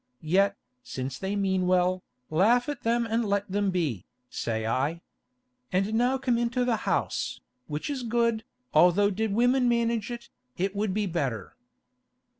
Yet, since they mean well, laugh at them and let them be, say I. And now come into the house, which is good, although did women manage it, it would be better."